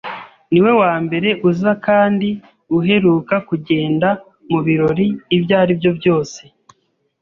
Niwe wambere uza kandi uheruka kugenda mubirori ibyo aribyo byose.